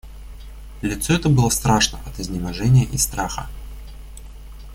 Лицо это было страшно от изнеможения и страха.